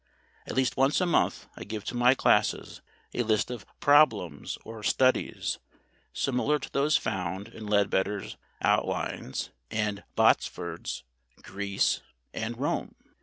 At least once a month I give to my classes a list of "problems" or "studies" similar to those found in Leadbetter's "Outlines" and Botsford's "Greece" and "Rome."